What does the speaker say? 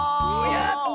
やった！